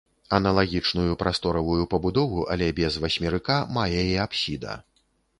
Аналагічную прасторавую пабудову, але без васьмерыка, мае і апсіда.